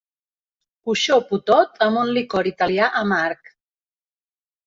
Ho xopo tot amb un licor italià amarg.